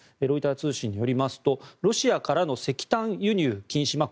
ロイター通信によりますとロシアからの石炭輸入禁止